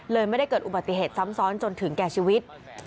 ไม่ได้เกิดอุบัติเหตุซ้ำซ้อนจนถึงแก่ชีวิต